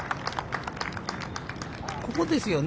ここですよね。